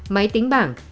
máy tính bảng